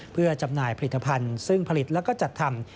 เพื่อจำหน่ายผลิตภัณฑ์ซึ่งผลิตแล้วก็จัดทำ